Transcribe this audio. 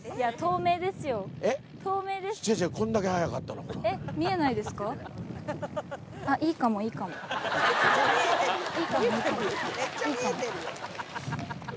めっちゃ見えてるよ。